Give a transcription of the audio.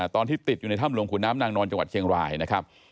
ตอนที่ติดอยู่ในถ้ำหลวงขุนน้ำนางนอนจังหวัดเชียงรายนะครับ